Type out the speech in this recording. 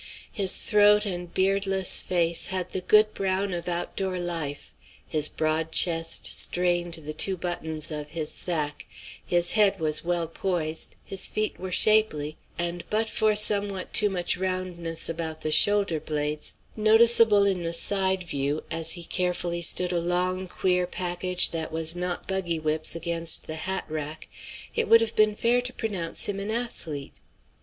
His throat and beardless face had the good brown of outdoor life, his broad chest strained the two buttons of his sack, his head was well poised, his feet were shapely, and but for somewhat too much roundness about the shoulder blades, noticeable in the side view as he carefully stood a long, queer package that was not buggy whips against the hat rack, it would have been fair to pronounce him an athlete.